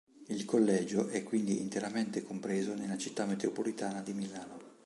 Il collegio è quindi interamente compreso nella città metropolitana di Milano.